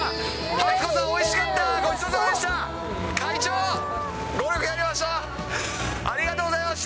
初子さん、おいしかった、ごちそうさまでした。